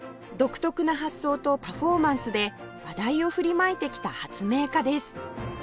独特な発想とパフォーマンスで話題を振りまいてきた発明家です